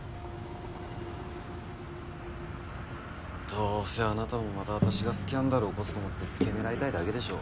どうせあなたもまた私がスキャンダルを起こすと思って付け狙いたいだけでしょ？